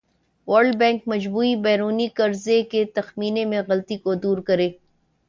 world bank مجموعی بیرونی قرض کے تخمینے میں غلطی کو دور کرے